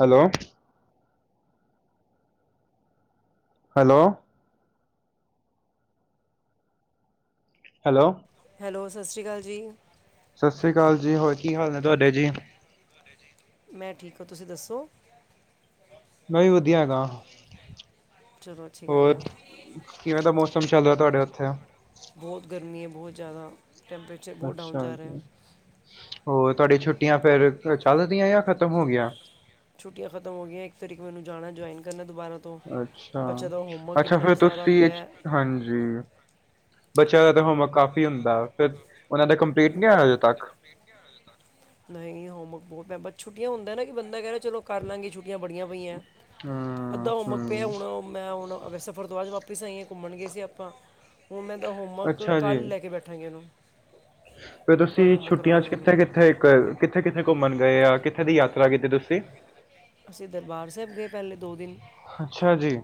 Hello hello hello hello ਸਸਿ ਸ੍ਰੀ ਕਾਲ ਜੀ ਸਸਿ ਸ੍ਰੀ ਕਾਲ ਜੀ, ਹੋਰ ਕੀ ਹਾਲ ਨੇ ਤੁਹਾਡੇ ਜੀ। ਮੈਂ ਠੀਕ ਹਾਂ, ਤੁਸੀਂ ਦੱਸੋ? ਮੈਂ ਵੀ ਵਧੀਆ ਹੈਗਾ। ਚਲੋ ਅੱਛੀ ਗੱਲ ਹੈ ਹੋਰ, ਕਿਵੇਂ ਦਾ ਮੌਸਮ ਚੱਲ ਰਿਆ ਤੁਹਾਡੇ ਉੱਥੇ। ਬਹੁਤ ਗਰਮੀ ਹੈ ਬਹੁਤ ਜ਼ਿਆਦਾ, ਟੈਂਪਰੇਚਰ ਬਹੁਤ ਡਾਊਨ ਅੱਛਾ ਜਾ ਰਿਹਾ। ਜੀ ਹੋਰ ਤੁਹਾਡੀੇ ਛੁੱਟੀਆਂ ਫੇਰ ਚੱਲਦੀਆਂ ਜਾਂ ਖ਼ਤਮ ਹੋਗਈਆ ਛੁੱਟੀਆਂ ਖਤਮ ਹੋ ਗਈਆਂ, ਇੱਕ ਤਰੀਕ ਮੈਨੂੰ ਜਾਣਾ, ਜੁਆਇਨ ਕਰਨਾ। ਦੁਬਾਰਾ ਤੋਂ ਅੱਛਾ- ਬੱਚੇ ਦਾ ਹੋਮਵਰਕ ਅੱਛਾ, ਇੰਨਾ ਫਿਰ ਸਾਰਾ ਤੁਸੀ ਪਿਆ ਐਚ ਹੈ। ਹਾਂਜੀ। ਬੱਚਿਆਂ ਦਾ ਤਾਂ ਹੋਮਵਰਕ ਕਾਫ਼ੀ ਹੁੰਦਾ, ਫਿਰ ਉਹਨਾਂ ਦਾ ਕੰਪਲੀਟ ਨਹੀਂ ਹੋਇਆ ਹਜੇ ਤੱਕ। [unintelligible] ਨਹੀਂ ਹੋਮਵਰਕ ਬਹੁਤ ਪਿਆ, ਬਸ ਛੁੱਟਿਆਂ ਹੁੰਦਾ ਨਾ ਕਿ ਬੰਦਾ ਕਹਿ ਰਿਹਾ ਚਲੋ ਕਰ ਲਾਂਗੇ ਛੁੱਟੀਆਂ ਬੜੀਆਂ ਪਈਆਂ। ਹੂੰ ਅੱਧਾ ਹੋਮਵਰਕ ਪਿਆ ਹੂੰ ਹੁਣ ਓ ਮੈਂ ਹੁਣ ਸਫ਼ਰ ਤੋਂ ਆਜ ਵਾਪਿਸ ਆਈ ਆ। ਘੁੰਮਣ ਗਏ ਸੀ ਆਪਾਂ, ਹੁਣ ਮੈਂ ਇਦਾਂ ਹੋਮਵਰਕ ਕੱਲ੍ਹ ਲੈ ਕੇ ਬੈਠਾਂਗੀ ਇਹਨੂੰ ਫ ਕੱਲ ਤੁਸੀਂ ਹੋਮਵਰਕ ਛੁੱਟੀਆਂ ਚ ਕਰਾਵਾਂਗੇ ਇਹਨੂੰ ਕਿੱਥੇ ਕਿੱਥੇ ਇੱਕ ਕਿੱਥੇ ਕਿੱਥੇ ਘੁੰਮਣ ਗਏ ਆ ਕਿੱਥੇ ਦੀ ਯਾ ਯਾਤਰਾ ਕੀਤੀ ਤੁਸੀਂ। ਅਸੀਂ ਦਰਬਾਰ ਸਾਹਿਬ ਗਏ ਪਹਿਲੇ ਦੋ ਦਿਨ ਅੱਛਾ ਜੀ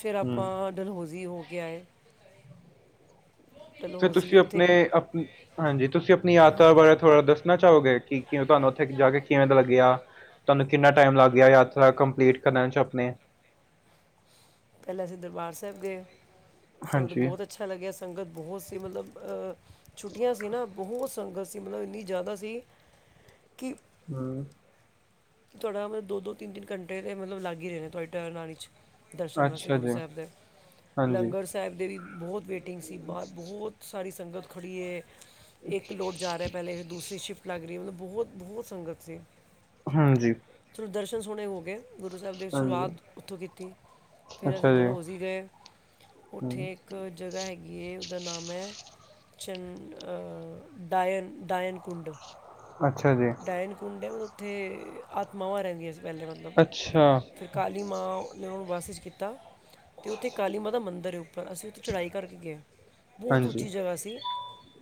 ਫਿਰ ਹੂੰ ਆਪਾਂ ਡਲਹੋਜ਼ੀ ਹੋ ਕੇ ਆਏ। ਚਲੋ ਫਿਰ ਅਸੀਂ ਤੁਸੀਂ ਉੱਥੇ ਆਪਣੇ ਇੱਕ- ਅ ਹਾਂਜੀ ਤੁਸੀਂ ਆਪਣੀ ਯਾਤਰਾ ਬਾਰੇ ਥੋੜ੍ਹਾ ਦੱਸਣਾ ਚਾਹੋਗੇ ਕਿ ਕਿਵੇਂ ਤੁਹਾਨੂੰ ਉੱਥੇ ਜਾ ਕੇ ਕਿਵੇਂ ਦਾ ਲੱਗਿਆ ਤੁਹਾਨੂੰ ਕਿੰਨਾ ਟਾਈਮ ਲੱਗ ਗਿਆ ਯਾਤਰਾ ਕੰਪਲੀਟ ਕਰਨ ' ਅਪਣੇ। ਪਹਿਲਾਂ ਅਸੀਂ ਦਰਬਾਰ ਸਾਹਿਬ ਗਏ, ਸਾਨੂੰ ਤੋਂ ਹਾਂਜੀ, ਬਹੁਤ ਅੱਛਾ ਲੱਗਿਆ, ਸੰਗਤ ਬਹੁਤ ਸੀ ਮਤਲਬ ਅਹ ਛੁੱਟੀਆਂ ਸੀ ਨਾ ਬਹੁਤ ਸੰਗਤ ਸੀ ਮਤਲਬ ਇੰਨੀ ਜ਼ਿਆਦਾ ਸੀ ਕਿ ਹੂੰ ਤੁਹਾਡਾ ਮਤਲਬ ਦੋ ਦੋ, ਤਿੰਨ ਤਿੰਨ ਘੰਟੇ ਤੇ ਮਤਲਬ ਲੱਗ ਹੀ ਰਹੇ ਨੇ ਤੁਹਾਡੀ ਟਰਨ ਆਣ ਚ। ਦਰਸ਼ਨ ਵਾਸਤੇ ਅੱਛਾ ਗੁਰੂ ਜੀ, ਸਾਹਿਬ ਦੇ, ਹਾਂਜੀ, ਲੰਗਰ ਸਾਹਿਬ ਦੇ ਵੀ ਬਹੁਤ ਵੇਟ ਐਟਿੰਗ ਸੀ ਬਾਹ ਬਹੁਤ ਸਾਰੀ ਸੰਗਤ ਖੜ੍ਹੀ ਐ। ਇੱਕ ਲੋਟ ਜਾ ਰਿਹਾ ਪਹਿਲੇ, ਦੂਸਰੀ ਸ਼ਿਫਟ ਲੱਗ ਰਹੀ ਮਤਲਬ ਬਹੁਤ ਬਹੁਤ ਸੰਗਤ ਸੀ। ਹਾਂਜੀ ਚਲੋ ਦਰਸ਼ਨ ਸੋਹਣੇ ਹੋ ਗਏ। ਗੁਰੂ ਸਾਹਿਬ ਦੀ ਹਾਂਜੀ, ਸ਼ੁਰੂਆਤ ਉੱਥੋਂ ਕੀਤੀ, ਫਿਰ ਅੱਛਾ ਅਸੀਂ ਜੀ, ਡਲਹੌਜ਼ੀ ਗਏ। ਹੂੰ, ਉੱਥੇ ਇੱਕ ਜਗ੍ਹਾ ਹੈਗੀ ਏ ਉਹਦਾ ਨਾਮ ਹੈ ਚੰ ਡਾਇਨ ਡਾਇਨਕੁੰਡ ਅੱਛਾ ਜੀ, ਡਾਇਨਕੁੰਡ ਹੈ ਮਤ ਉੱਥੇ ਆਤਮਾਵਾਂ ਰਹਿੰਦੀਆਂ ਸੀ ਵਹਿਲੇ ਮਤਲਬ ਅੱਛਾ, ਫਿਰ ਕਾਲੀ ਮਾਂ ਨੇ ਉਹਨੂੰ ਬੱਸ ' ਕੀਤਾ ਤੇ ਉੱਥੇ ਕਾਲੀ ਮਾ ਦਾ ਮੰਦਿਰ ਹੈ ਪਰ ਅਸੀਂ ਉੱਥੇ ਚੜ੍ਹਾਈ ਕਰਕੇ ਗਏ ਬਹੁਤ ਹਾਂਜੀ, ਉੱਚੀ ਜਗ੍ਹਾ ਸੀ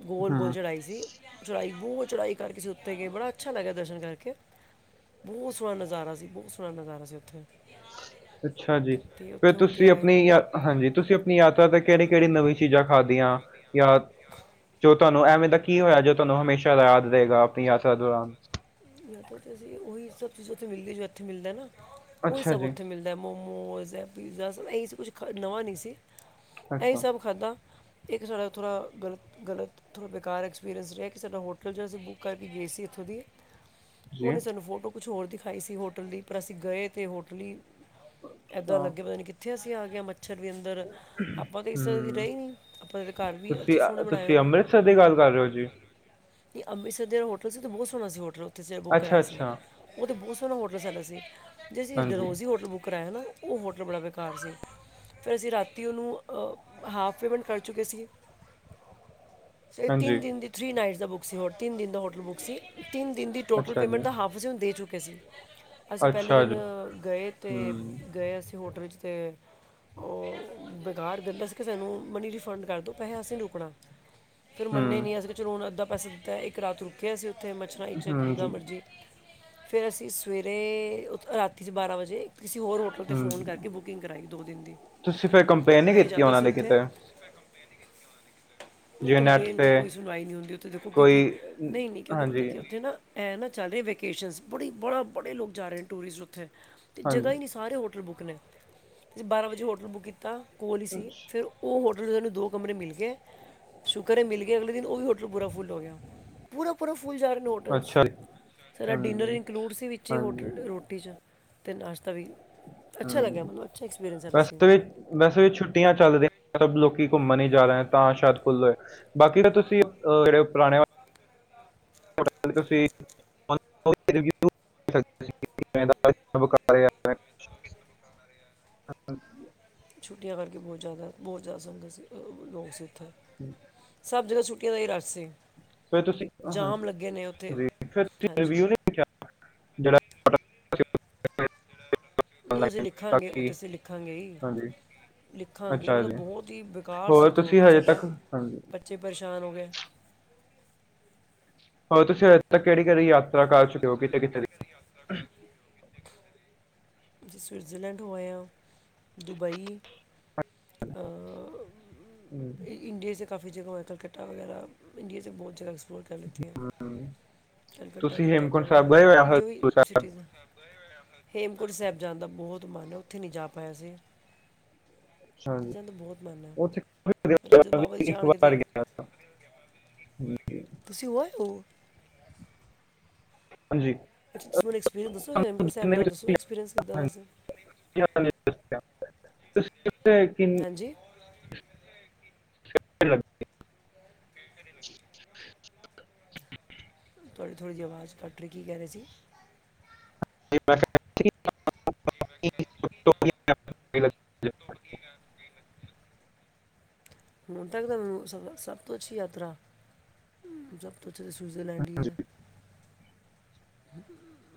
ਗੋਲ ਗੋਲ ਹੂੰ, ਚੜ੍ਹਾਈ ਸੀ ਚੜਾਈ ਬੂ ਚੜਾਈ ਕਰਕੇ ਉੱਥੇ ਗਏ ਬੜਾ ਅੱਛਾ ਲੱਗਿਆ ਦਰਸ਼ਨ ਕਰਕੇ ਬਹੁਤ ਸੋਹਣਾ ਨਜ਼ਾਰਾ ਸੀ ਬਹੁਤ ਸੋਹਣਾ ਨਜ਼ਾਰਾ ਸੀ ਉੱਥੇ ਹ ਅੱਛਾ ਜੀ ਤੇ ਫਿਰ ਉੱਥੇ ਹੋ ਕੇ ਤੁਸੀਂ ਆਏ ਆਪਣੀ ਯਾ ਹਾਂਜੀ ਤੁਸੀਂ ਆਪਣੀ ਯਾਤਰਾ ਤੇ ਕਿਹੜੀ ਕਿਹੜੀ ਨਵੀਂ ਚੀਜ਼ਾਂ ਖਾਧਦੀੀਆਂ ਜਾਦ ਜੋ ਤੁਹਾਨੂੰ ਐਵੇਂ ਦਾ ਕੀ ਹੋਇਆ ਜੋ ਤੁਹਾਨੂੰ ਹਮੇਸ਼ਾ ਯਾਦ ਰਹੇਗਾ ਆਪਣੀ ਯਾਤਰਾ ਦੌਰਾਨ ਮੈਂਲ ਅਸੀਂ ਉਹੀ ਸਭ ਚੀਜ਼ ਉੱਥੇ ਮਿਲਦੀ ਜੋ ਇੱਥੇ ਮਿਲਦਾ ਨਾਂ ਉਹੀ ਅੱਛਾ ਸਭ ਜੀ, ਉੱਥੇ ਮਿਲਦਾ ਮੋ ਮੋਮੋਸ ਐ ਪੀਜ਼ਾ ਇ ਕੁਛ ਨਵਾਂ ਨੀਂ ਸੀ ਇਹੀ ਅੱਛਾ। ਸਭ ਖਾਧਾ। ਇੱਕ ਸਾਡਾ ਥੋੜ੍ਹਾ ਗਲ ਗਲਤ ਥੋੜ੍ਹਾ ਬੇਕਾਰ ਐਕਸਪੀਰੀਅੰਸ ਰਿਹਾ ਕਿ ਸਾਡਾ ਹੋਟਲ ਅਸੀਂ ਬੁੱਕ ਕਰਕੇ ਗਏ ਸੀ ਇੱਥੋਂ ਦੀ ਜੀ ਉਹਨੇਂ ਸਾਨੂੰ ਫੋਟੋ ਕੁਛ ਹੋਰ ਦਿਖਾਈ ਸੀ ਹੋਟਲ ਦੀ ਪਰ ਅਸੀਂ ਗਏ ਤੇ ਹੋਟਲੀ ਈ ਏਦਾਂ ਅੱਛਾ ਲੱਗੇ ਪਤਾ ਨੀਂ ਕਿੱਥੇ ਅਸੀਂ ਆਗੇ ਆਂ ਮਣ ਮੱਛਰ ਵੀ ਅੰਦਰ ਆਪਾਂ ਇਸ ਸਿਰਾ ਕਦੇ ਹੂੰ ਰਹੇ ਨ੍ਹੀਂ ਆਪਾਂ ਇਹਦੇ ਘਰ ਵੀ ਤੁਸੀਂ ਅੱਛੇ ਅ ਸੋਹਣੇ ਬਣਾਏ ਹੋਏ ਤੁਸੀਂ ਨੇਂ। ਅੰਮ੍ਰਿਤਸਰ ਦੀ ਗੱਲ ਕਰ ਰਹੇ ਹੋ ਜੀ। ਤੇ ਅੰਮ੍ਰਿਤਸਰ ਜਿਹੜ ਹੋਟਲ ਸੀ ਤਾਂ ਬਹੁਤ ਸੋਹਣਾ ਸੀ ਹੋਟਲ ਉੱਥੇ ਬੁਕ ਅੱਛਾ ਕਰਾਇਆ ਸੀ ਅੱਛਾ ਉਹ ਤਾਂ ਬਹੁਤ ਤੁਾਨੂੰ ਹੋਟਲ ਸੈਲਾ ਸੀ ਜੇ ਅਸੀਂ ਹਾਂਜੀ ਡਰੋਜ਼ ਹੀ ਹੋਟਲ ਬੁੱਕ ਕਰਾਆ ਨਾਂ ਉਹ ਹੋਟਲ ਬੜਾ ਬੇਕਾਰ ਸੀ। ਫਿਰ ਅਸੀਂ ਰਾਤੀ ਉਹਨੂੰ ਹਾਫ ਪੇਮੈਂਟ ਕਰ ਚੁੱਕੇ ਸੀਗੇ। [unintelligible] ਤਿੰਨ ਹਾਂਜੀ ਦਿਨ ਦੀ ਥ੍ਰੀ ਨਾਇਟ ਬੁੱਕ ਸੀ ਤਿੰਨ ਦਿਨ ਦਾ ਹੋਟਲ ਬੁੱਕ ਸੀ। ਤਿੰਨ ਦਿਨ ਦੀ ਟੋਟਲ ਅੱਛਾ ਜੀ ਪੇਮੈਂਟ ਦਾ ਹਾਫ ਅਸੀਂ ਊਣੂ ਦੇ ਚੁੱਕੇ ਸੀ। ਅਸੀਂ ਪਹਿਹਿਲੇ ਅੱਛਾ ਦਿਨ ਜੀ ਗਏ ਤੇ ਹੂੰ ਗਏ ਅਸੀਂ ਹੋਟਲ ਵਿੱਚ ਤੇ ਉਹ ਬੇਕਾਰ ਦਹਿੰਦਾ ਸੀ ਕਿ ਸਾਨੂੰ ਮਨੀ ਰਿਫੰਡ ਕਰ ਦਿਉ ਪੈਸੇ ਅਸੀਂ ਨਹੀਂ ਰੁਕਣਾ ਫਿਰ ਮੰਨੇ ਹੀ ਹੂੰ ਨਹੀਂ ਅਂ ਕਿ ਚਲੋ ਹੁਣ ਅੱਧਾ ਪਸਾ ਦਿੱਤਾ ਇੱਕ ਰਾਤ ਰੁੱਕੇ ਅਸੀਂ ਉੱਥੇ ਮੱਛਰਈ ਚ ਹੂੰ ਜਿੱਾਂ ਜੀ ਮਰਜ਼ੀ ਫੇਿਰ ਅਸੀਂ ਸਵੇਰੇ ਰਾਤੀ ਚ ਬਾਰਾਂ ਵਜੇ ਕਿਸੇ ਹੋਰ ਹੋਟਲ 'ਤੇ ਹੂੰ ਫੋਨ ਜੀ ਕਰਕੇ ਬੁਕਿੰਗ ਕਰਵਾਾਈ ਦੋ ਦਿਨ ਦੀ ਕੰਪਲੇਂਨ ਨ੍ਹੀਂ ਪੈਸੇ ਕੀਤੀ ਜ਼ਿਆਦਾ ਉਹਨਾਂ ਸੀ ਨੇ ਕਿਤੇ ਜਿਵੇਂ ਨੈੱਟ ਕੰਪਲੇਂਨ ਤੇ ਕੋਈ ਸੁਣਵਾਈ ਨਈਂ ਹੁੰਦੀ ਉੱਥੇ ਦੇਖੋ ਕਿਉਂਕਿ ਕੋਈ ਨਈਂ ਕਿਉਂਕਿ ਪਤਾ ਹਾਂਜੀ ਕਿ ਉੱਥੇ ਨਾ ਐ ਨਾਂ ਚੱਲ ਰਹੇ ਵੈਕੇਸ਼ਨ ਬੜੀ ਬੜਾ ਬੜੇ ਲੋਕ ਜਾ ਰਹੇ ਨੇ ਟੂਰਿਿਸਟ ਉੱਥੇ। ਅਤੇ ਹਾਂਜੀ ਜਗਾ ਈ ਨ੍ਹੀਂ ਸਾਰੇ ਹੋਟਲ ਬੁੱਕ ਨੇਂ ਅਸੀਂ ਬਾਰਾਂ ਵਜੇ ਹੋਟਲ ਬੁੱਕ ਕੀਤਾ। ਕੋਲ ਸੀ ਅੱਛ ਫਿਰ ਉਹ ਹੋ ਸਾਨੂੰ ਦੋ ਕਮਰੇ ਮਿਲ ਕੇ ਸ਼ੁਕਰ ਐ ਮਿਲ ਗੇ ਅਗਲੇ ਦਿਨ ਉਹ ਵੀ ਹੋਟਲ ਬੂਰਾ ਫੁੱਲ ਹੋ ਗਿਆ। ਪੂਰਾ-ਪੂਰਾ ਫੂਲ ਜਾ ਰਿ ਨੂਡਲਸ ਅੱਛਾ ਜੀ ਸਾਡਾ ਡਿਨਰ ਹੂੰ ਇਨਕਲੂਡ ਸੀ ਵਿੱਚ ਹੀ ਹਾਂਜੀ ਹੋਟਲ ਰੋਟੀ ਚ। ਤੇ ਨਾਸ਼ਤਾ ਵੀ ਅੱਛਾ ਲੱਗਿਆ ਹੂੰ ਮਨੂੰੱਛਾ ਵੈਸੇ ਵੀ ਵੈਸੇ ਵੀ ਛੁੱਟੀਆਂ ਚੱਲ ਰਹੀਆਂ ਅਰਬ ਲੋਕੀ ਘੁੰਮਣ ਹੀ ਜਾ ਰਹੇ। ਤਾਂ ਸ਼ਾਇਦ ਫੁੱਲ ਹੋਏ ਬਾਕੀ ਤਾਂ ਤੁਸੀਂ ਅਹ ਜਿਹੜੇ ਪੁਰਾਣੇ ਤੁਹਾਡ ਤੁਸੀ [inaudible] [inaudible] [inaudible] ਛੁੱਟੀਆਂ ਕਰਕੇ ਬਹੁਤ ਜ਼ਿਆਦਾ ਬਹੁਤ ਜ਼ਿਆਦਾ ਸੰੰਗਤ ਸੀ ਲੋਕ ਬਹੁਤ ਸੀ। ਉੱਥੇ [unintelligible] ਸਭ ਜਗ੍ਹਾ ਛੁੱਟੀਆਂ ਦਾ ਹੀ ਰਸ਼ ਸੀ। ਫਿਰ ਤੁਸੀਂ ਜਾਮ ਲੱਗੇ ਨੇ ਉੱਥੇ ਫ [unintelligible] ਹਾਂਜੀ ਰਿਵਿਊ ਨੀਂ ਵੇਖਿਆ। ਜਿਹੜਾ [unintelligible] ਜ ਅਸੀਂ ਆਨਲਾਈਨ ਲਿਖਾਂਗੇ ਉਹ ਕਿ ਤਾਂ ਅਸੀਂ ਲਿਖਾਂਗੇ ਈ। ਹਾਂਜੀ ਲਿਖਾਂਗੇ ਅੱਛਾ ਮਤਲਬ ਜੀ ਬਹੁਤ ਹੀ ਬੇਕਾਰ ਸੀ ਹੋਰ ਉੱਥੇ ਤੁਸੀਂ ਹੋਟਲ ਹਜੇ ਸਾਡਾ ਤੱਕ ਹਾਂਜੀ ਬੱਚੇ ਪਰੇਸ਼ਾਨ ਹੋ ਗਏ। ਹੋਰ ਤੁਸੀ ਅਜੇ ਤੱਕ ਕਿਹੜੀ-ਕਿਹੜੀ ਯਾਤਰਾ ਕਰ ਚੁੱਕੇ ਓ ਕਿੱਥੇ ਕਿੱਥੇ ਦੀ? ਜ ਸਵਿਟਜ਼ਰਲੈਂਡ ਹੋਇਆ ਦੁਬਈ ਇੰਡੀਆ ਚ ਕਾਫੀ ਜਗ੍ਹਾ ਐ ਕਲਕੱਤਾ ਵਗੈਰਾ। ਇੰਡੀਆ ਚ ਬਹੁਤ ਜਿਆਦਾ ਐਕਸਪਲੋਰ ਕਰ ਲਿੱਤੀਆ। ਹਮ, ਕੋਲਕਾਤਾ ਤੁਸੀਂ ਕੀਤਾ ਹੇਮਕੁੰਟ ਸਾਹਿਬ ਗਏ ਹੋ ਕਵਰ ਜਾਂ ਜੋ ਵੀ ਹਰਿਮੰਦਰ ਸਾਹਿਬ ਸਿਟੀਜ ਨੇ। [inaudible] ਹੇਮਕੁੰਟ ਸਾਹਿਬ ਜਾਣ ਦਾ ਬਹੁਤ ਮਨ ਐ ਉੱਥੇ ਨੲਈਂ ਜਾ ਪਾਏ ਅਸੀਂ। ਅਛਾ ਜੀ, ਹਾਂਜੀ ਉਥੇ ਮੇਰਾ ਜਦ ਬਾਬਾ ਜੀ ਜਾਣਗੇ ਤੇ [inaudible] ਹਂ ਤੁਸੀ ਹੋ ਆਏ ਓ? ਹਾਂਜੀ ਤੁ ਮੈਨੂੰ ਐਕਸਪੀਰਅੰਸ ਦੱਸੋ ਤੁਹਾਨੂੰ ਹੈੇਮਕੁੰਟ ਸਾਹਿਬ ਜਿੰਨੇ ਵੀ ਦਾ ਦਸੋਗੇ ਤੁਸੀਂ ਐਕਸਪੀਰਅੰਸ ਕਿੱਦਾ ਦਾ ਹਾਂਜੀ ਸੀ? ਹਾਂਜੀ ਹਾਂਜੀ [inaudible] [inaudible] ਥੋਡੀ ਥੋੜ੍ਹੀ ਜਿਹੀ ਆਵਾਜ਼ ਕੱਟ ਰਹੀ ਕੀ ਕਹਿ ਰਹੇ ਸੀ? [inaudible] [inaudible] ਹੁਣ ਤੱਕ ਸਭ ਤੋ ਅੱਛੀ ਯਾਤਰਾ ਸਭ ਤੋ ਸਵਿਜ਼ਰਲੈਂਡ ਹੀ ਐ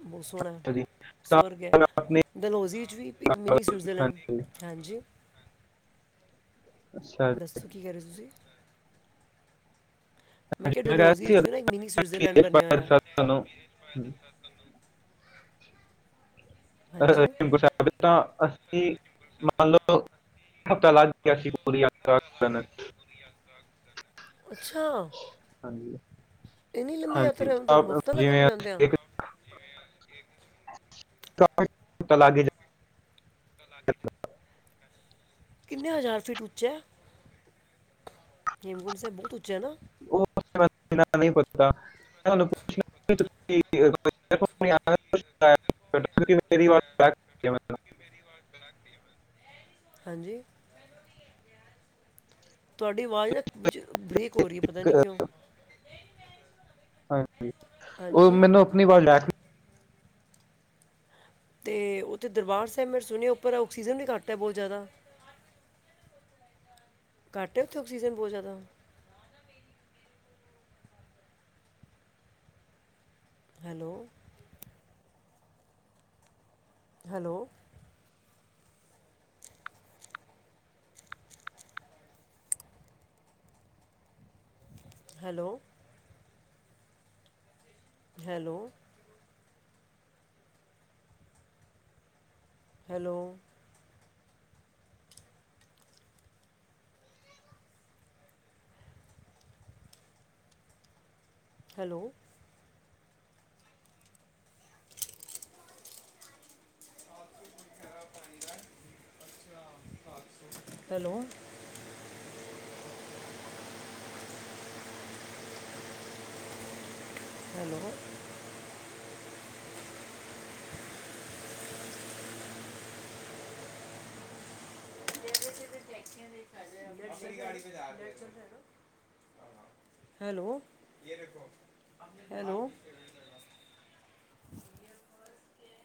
ਬਹੁਤ ਸੋਹਣਾ ਐ। ਸਵਰਗ ਐ ਦਲਹੌਜ਼ੀ ਚ ਵੀ ਇੱਕ ਮਿਨੀ ਸਵਿਜ਼ਰਲੈਂਡ ਹੈਂਜੀ ਅੱਛਾ ਜੀ, ਦੱਸੋ ਕੀ ਕਹਿ ਰਹੇ ਸੀ ਤੁਸੀ? ਮੈਂ ਕਿਹਾ ਡਲਹੌਜ਼ੀ ਵਿੱਚ ਵੀ ਨਾ ਇੱਕ ਮਿਨੀ ਸਵਿਟਜ਼ਰਲੈਂਡ ਬਣਿਆ ਹੋਇਆ [inaudible] ਹਾਂਜੀ ਹੇਮ ਕੁੰਟ ਸਾਹਿਬ ਤਾ ਅਸੀ ਮੰਨ ਲਓ [inaudible] ਹਫਤਾ ਲਗ ਗਿਆ ਸੀ ਪੂਰੀ ਯਾਤਰਾ ਜਾਣ ਵਿਚ ਅੱਛਾ! ਹਾਂਜੀ ਐਨੀ ਲੰਬੀ ਹਾਂਜੀ ਯਾਤਰਾ ਆਪ ਹਫ਼ਤਾ ਲਗਿਆ ਜਿਵੇਂ ਜਾਂਦਿਆ? ਅਸੀਂ ਟ ਪਤਾ ਲਗ ਹੀ ਜਾਂਦਾ [inaudible] ਲਾਗੇ ਜੇ? ਕਿੰਨੇ ਹਜ਼ਾਰ ਫੀਟ ਉਚੈ? ਹੇਮਕੁੰਡ ਸਾਹਿਬ ਬਹੁਤ ਉੱਚਾ ਐਨਾਂ! [unintelligible] ਨੀਂ ਪਤਾ ਮੈਂ ਤੁੂੰਆਣੂ ਪੁੱਛਣਾ [inaudible] [inaudible] [inaudible] ਹਾਂਜੀ [unintelligible] ਤੁਹਾਡੀ ਆਵਾਜ਼ ਨਾ ਵਿੱਚ ਬਰੇਕ ਹੋ ਰਹੀ ਹੈ ਪਤਾ ਨੀ ਇੱਕ, ਅ, ਕਿਉ? ਹਾਂਜੀ ਉਹ ਹਾਂਜੀ ਮੈਨੂੰ ਆਪਣੀ ਵਰਲਡ ਐ ਤੇ ਉੱਥੇ ਦਰਬਾਰ ਸਾਹਿਬ ਮੈ ਸੁਣਿਆ ਉੱਪਰ ਆਕਸੀਜਨ ਵੀ ਘੱਟ ਐ ਬਹੁਤ ਜਿਆਦਾ। ਘੱਟ ਐ ਉੱਥੇ ਆਕਸੀਜਨ ਬਹੁਤ ਜਿਆਦਾ? Hello. Hello. Hello. Hello. Hello? Hello. [unintelligible] Hello. [unintelligible] [inaudible] Hello. [unintelligible] [inaudible] [inaudible] Hello hello. [inaudible]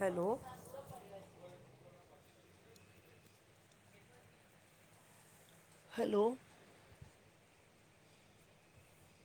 Hello. Hello.